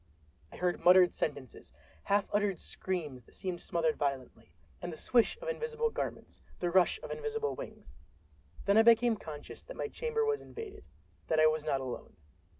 I heard muttered sentences; half uttered screams that seemed smothered violently; and the swish of invisible garments, the rush of invisible wings. Then I became conscious that my chamber was invaded—that I was not alone.